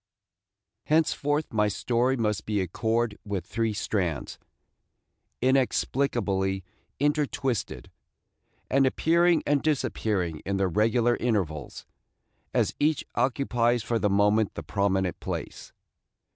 HENCEFORTH my story must be a cord with three strands, inexplicably intertwisted, and appearing and disappearing in their regular intervals, as each occupies for the moment the prominent place.